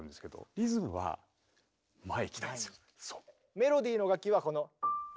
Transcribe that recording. メロディーの楽器はこの。